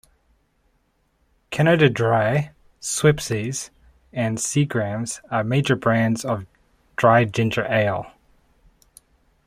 Canada Dry, Schweppes, and Seagram's are major brands of dry ginger ale.